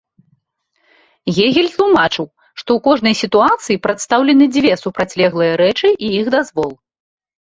Гегель тлумачыў, што ў кожнай сітуацыі прадстаўлены дзве супрацьлеглыя рэчы і іх дазвол.